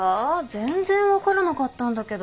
全然分からなかったんだけど。